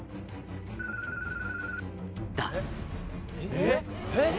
えっ！？